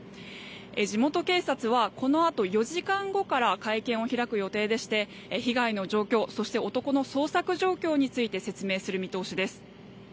地元警察はこのあと４時間後から会見を開く予定でして被害の状況そして男の捜索状況について説明する見通しです。